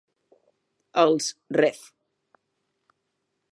Els "Ref.